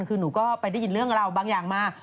ก็ไปได้ยินเรื่องเราบางอย่างมา